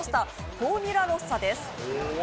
フォーミュラ・ロッサです。